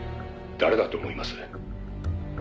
「誰だと思います？」